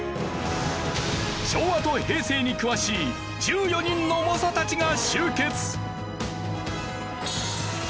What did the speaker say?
昭和と平成に詳しい１４人の猛者たちが集結！